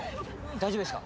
大丈夫ですか？